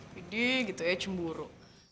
gede gitu ya cemburu